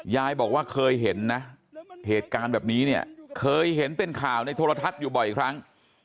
ยายบอกว่าเคยเห็นนะเหตุการณ์แบบนี้เนี่ยเคยเห็นเป็นข่าวในโทรทัศน์อยู่บ่อยครั้ง